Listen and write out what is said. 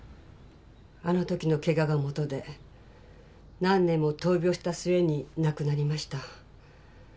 あのときのケガがもとで何年も闘病した末に亡くなりました。